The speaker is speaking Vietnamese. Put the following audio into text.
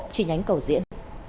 chi nhánh cầu diễn